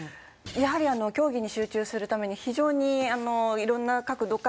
やはりあの競技に集中するために非常にいろんな角度から。